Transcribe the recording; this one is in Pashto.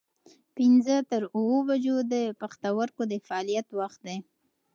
پنځه تر اووه بجو د پښتورګو د فعالیت وخت دی.